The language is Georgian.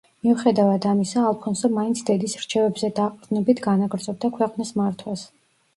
მიუხედავად ამისა, ალფონსო მაინც დედის რჩევებზე დაყრდნობით განაგრძობდა ქვეყნის მართვას.